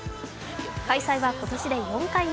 開催は今年で４回目。